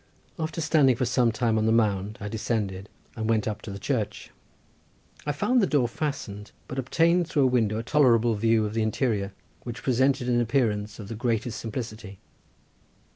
After standing for some time on the mound I descended, and went up to the church. I found the door fastened, but obtained through the window a tolerable view of the interior, which presented an appearance of the greatest simplicity.